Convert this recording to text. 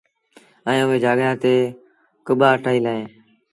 ائيٚݩ اُئي جآڳآ تي ڪٻآ ٺهيٚل اهيݩ